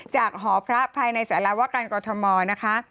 จากหอพระภายในสารวการกอธมนต์นะคะ